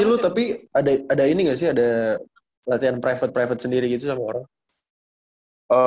dulu tapi ada ini gak sih ada latihan private private sendiri gitu sama orang